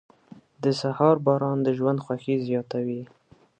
• د سهار باران د ژوند خوښي زیاتوي.